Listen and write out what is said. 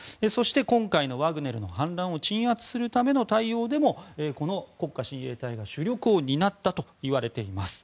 今回のワグネルの内乱を鎮圧するためにもこの国家親衛隊が主力を担ったといわれています。